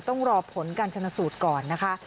ต้องรอผลการชนสูตรก่อนนะคะ